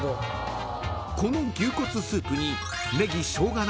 ［この牛骨スープに］